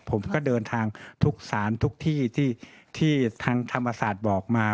ผมก็เดินทางทุกศาลทุกที่ที่ทางธรรมศาสตร์บอกมา